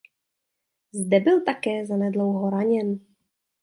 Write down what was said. Zde byl také za nedlouho raněn.